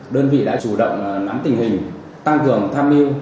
đơn vị đã chủ động nắm tình hình tăng cường tham mưu